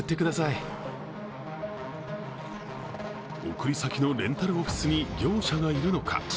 送り先のレンタルオフィスに業者がいるのか。